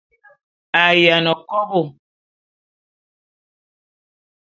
A yiane kobô.